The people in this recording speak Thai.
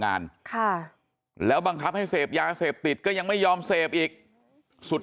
งานค่ะแล้วบังคับให้เสพยาเสพติดก็ยังไม่ยอมเสพอีกสุด